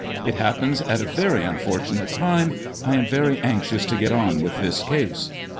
It happens at a very unfor tunate time ! I am very anxious to get on with this case."